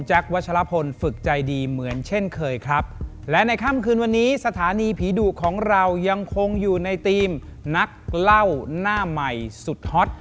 วัชลพลฝึกใจดีเหมือนเช่นเคยครับและในค่ำคืนวันนี้สถานีผีดุของเรายังคงอยู่ในทีมนักเล่าหน้าใหม่สุดฮอต